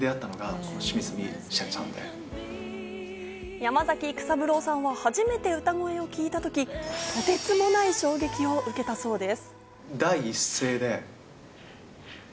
山崎育三郎さんも初めて歌声を聴いたとき、とてつもない衝撃を受けたそうです。